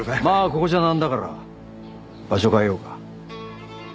まあここじゃなんだから場所変えようか。